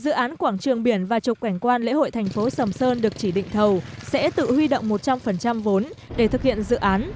dự án quảng trường biển và trục cảnh quan lễ hội thành phố sầm sơn được chỉ định thầu sẽ tự huy động một trăm linh vốn để thực hiện dự án